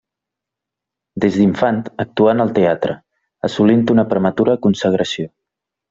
Des d'infant actuà en el teatre, assolint una prematura consagració.